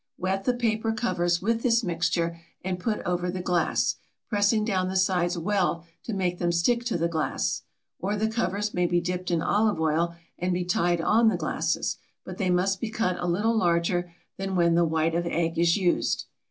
Wet the paper covers with this mixture and put over the glass, pressing down the sides well to make them stick to the glass; or the covers may be dipped in olive oil and be tied on the glasses, but they must be cut a little larger than when the white of egg is used.